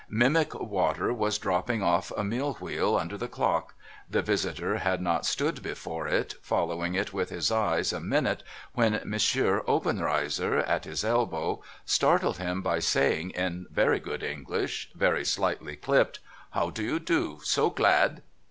Mimic water was dropping oft' a mill wheel under the clock. The visitor had not stood before it, following it with his eyes, a minute, 496 NO THOROUGHFARE when M. Obenreizcr, at his elbow, startled him by saying, in very good English, very slightly clipped :' How do you do ? So glad